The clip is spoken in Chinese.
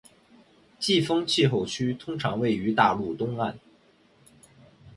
季风气候区通常位于大陆东岸